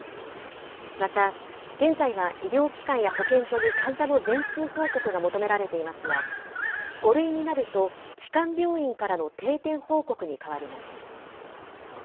また、現在は医療機関や保健所に患者の全数報告が求められていますが、５類になると、基幹病院からの定点報告に変わります。